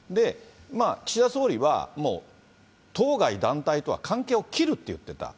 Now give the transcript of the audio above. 岸田総理はもう当該団体とは関係を切るって言ってた。